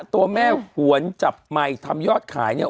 ตัวแม่หวนจับใหม่ทำยอดขายเนี่ย